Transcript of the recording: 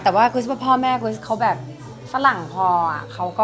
แต่ว่าคริสว่าพ่อแม่คริสเขาแบบฝรั่งพออะ